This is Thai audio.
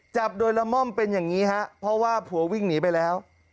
จับโดยละม่อมเป็นอย่างนี้ฮะเพราะว่าผัววิ่งหนีไปแล้ว